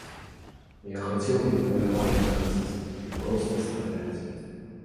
Я хацеў і на паляванні хадзіць, і проста страляць.